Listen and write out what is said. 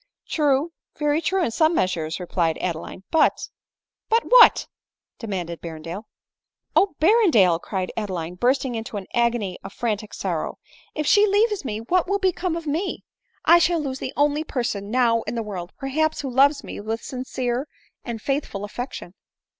" True, very true in some measure," replied Adeline ;« but "" But what ?" demanded Berrendale. " O Berrendale !" cried Adeline, bursting into an agony of frantic sorrow, " if she leaves me what will be come of me ! I shall lose the only person now in the world, perhaps, who loves me with sincere and faithful affection